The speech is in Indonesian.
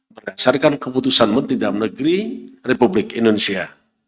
berdasarkan keputusan menteri dalam negeri republik indonesia